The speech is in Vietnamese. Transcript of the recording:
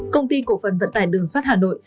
công ty cổ phần vận tải đường sắt hà nội